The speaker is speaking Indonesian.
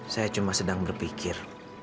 saya cuma sedang berpikir